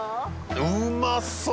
うまそう！